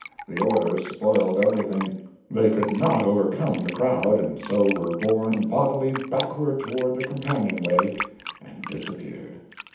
The order spoiled everything. They could not overcome the crowd, and so were borne bodily backward toward the companion way, and disappeared.